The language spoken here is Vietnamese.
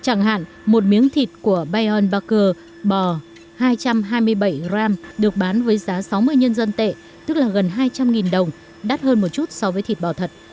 chẳng hạn một miếng thịt của bayernbacer bò hai trăm hai mươi bảy g được bán với giá sáu mươi nhân dân tệ tức là gần hai trăm linh đồng đắt hơn một chút so với thịt bò thật